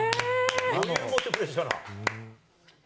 余裕持ってプレーしたな。